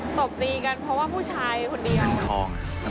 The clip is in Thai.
เป็นคนพูดเร็วแล้วก็เป็นคนที่แบบจริงจัง